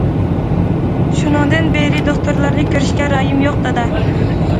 شۇنىڭدىن بېرى دوختۇرلارنى كۆرۈشكە رايىم يوق دادا!...